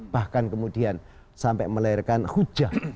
bahkan kemudian sampai melahirkan hujan